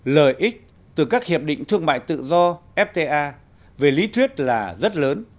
lợi ích từ các hiệp định thương mại tự do fta về lý thuyết là rất lớn